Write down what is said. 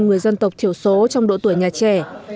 người dân tộc thiểu số trong độ tuổi nhà trẻ